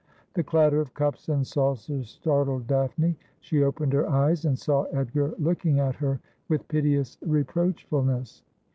The clatter of cups and saucers startled Daphne. She opened her eyes, and saw Edgar looking at her with piteous reproachfulness.